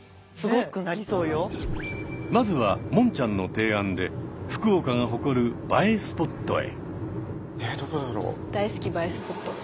まずはもんちゃんの提案で福岡が誇る「映えスポット」へ。